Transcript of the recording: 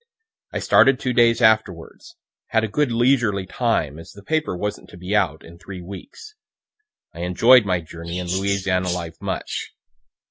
I started two days afterwards; had a good leisurely time, as the paper wasn't to be out in three weeks. I enjoy'd my journey and Louisiana life much.